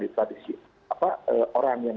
di tradisi orang yang